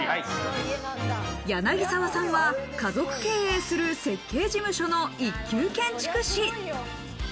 柳澤さんは家族経営する設計事務所の一級建築士。